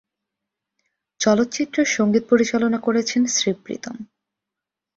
চলচ্চিত্রের সঙ্গীত পরিচালনা করেছেন শ্রী প্রীতম।